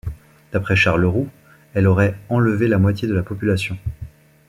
D'après Charles-Roux, elle aurait enlevé la moitié de la population.